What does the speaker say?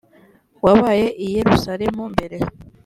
wabaye i yerusalemu mbere